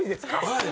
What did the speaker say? はい。